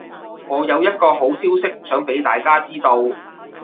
我有一個好消息想畀大家知道